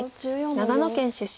長野県出身。